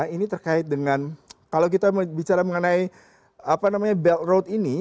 ini terkait dengan kalau kita bicara mengenai belt road ini